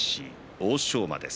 欧勝馬です。